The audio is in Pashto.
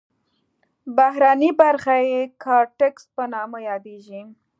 بهرنۍ برخه یې کارتکس په نامه یادیږي.